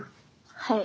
はい。